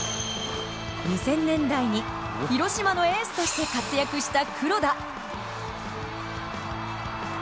２０００年代に広島のエースとして活躍した黒田。